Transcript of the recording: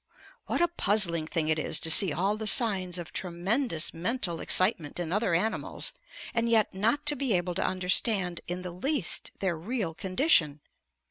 What a puzzling thing it is to see all the signs of tremendous mental excitement in other animals and yet not to be able to understand in the least their real condition!